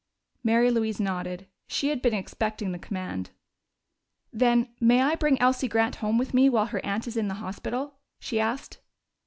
Mary Louise nodded: she had been expecting the command. "Then may I bring Elsie Grant home with me while her aunt is in the hospital?" she asked.